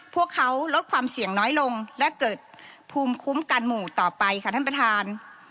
พวกเขาลดความเสี่ยงน้อยลงและเกิดภูมิคุ้มกันหมู่ต่อไปค่ะท่านประธาน